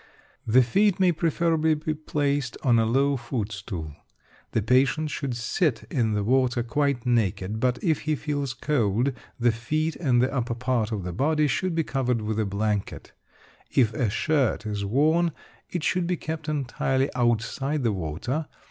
The feet may preferably be placed on a low foot stool. The patient should sit in the water quite naked, but, if he feels cold, the feet and the upper part of the body should be covered with a blanket. If a shirt is worn, it should be kept entirely outside the water.